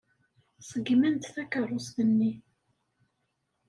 Ṣeggmen-d takeṛṛust-nni.